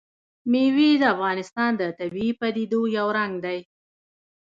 مېوې د افغانستان د طبیعي پدیدو یو رنګ دی.